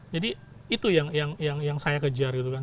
jadi itu yang saya kejar gitu kan